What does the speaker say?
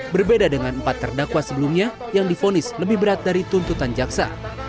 berbeda dengan empat terdakwa sebelumnya yang difonis lebih berat dari tuntutan jaksa